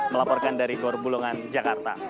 melaporkan dari gorbulungan jakarta